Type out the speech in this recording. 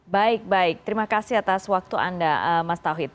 baik baik terima kasih atas waktu anda mas tauhid